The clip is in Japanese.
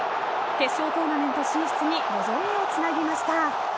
決勝トーナメント進出に望みをつなぎました。